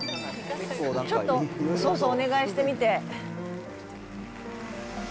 ちょっとそうそう、お願いしてみて。